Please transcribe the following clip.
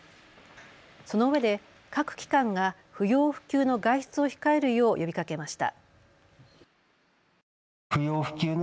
そのうえで各機関が不要不急の外出を控えるよう呼びかけました。